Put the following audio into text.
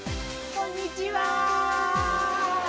こんにちは。